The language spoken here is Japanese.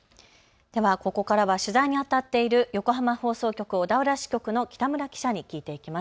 ではここからは取材にあたっている横浜放送局小田原支局の北村記者に聞いていきます。